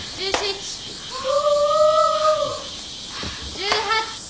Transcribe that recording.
１８。